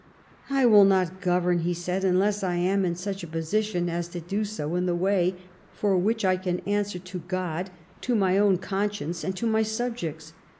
" I will not govern," he said, " unless I am in such a position as to do so in the way for which I can answer to God, to my own conscience, and to my subjects.